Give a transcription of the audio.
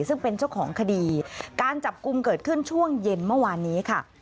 ซึ่งเป็นเจ้าของคดีการจับกลุ่มเกิดขึ้นช่วงเย็นเมื่อวานนี้ค่ะ